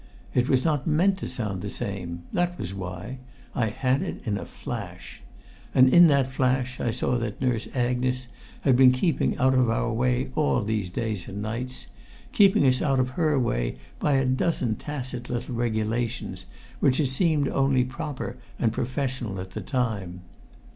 It was not meant to sound the same that was why I had it in a flash. And in that flash I saw that Nurse Agnes had been keeping out of our way all these days and nights, keeping us out of her way by a dozen tacit little regulations which had seemed only proper and professional at the time.